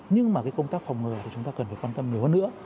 nhưng mà công tác phòng ngừa chúng ta cần quan tâm nhiều hơn nữa